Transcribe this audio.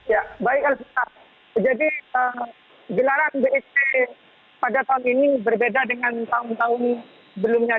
ya baik elvira jadi gelaran bet pada tahun ini berbeda dengan tahun tahun sebelumnya